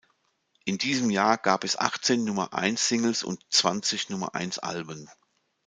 In diesem Jahr gab es achtzehn Nummer-eins-Singles und zwanzig Nummer-eins-Alben.